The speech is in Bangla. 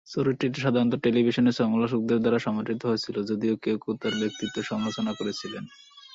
চরিত্রটি সাধারণত টেলিভিশন সমালোচকদের দ্বারা সমাদৃত হয়েছিল, যদিও কেউ কেউ তাঁর ব্যক্তিত্বের সমালোচনা করেছিলেন।